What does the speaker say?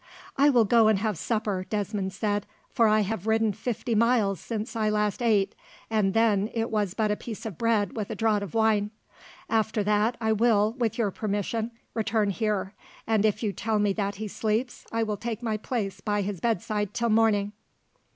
"I will go and have supper," Desmond said, "for I have ridden fifty miles since I last ate, and then it was but a piece of bread with a draught of wine. After that I will, with your permission, return here, and if you tell me that he sleeps, will take my place by his bedside till morning."